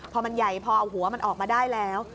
พอมันใหญ่พอเอาหัวมันออกมาได้แล้ว